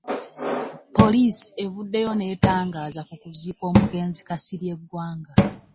Poliisi evuddeyo n'etangaaza ku kuziika omugenzi Kasirye Ggwanga.